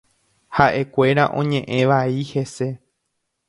Ha’ekuéra oñe’ẽ vai hese.